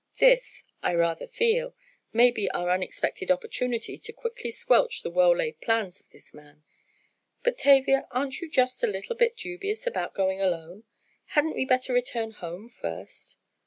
"This, I rather feel, may be our unexpected opportunity to quickly squelch the well laid plans of this man. But, Tavia, aren't you just a little bit dubious about going alone? Hadn't we better return home first?"